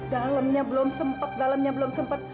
dalemnya belum sempet dalamnya belum sempet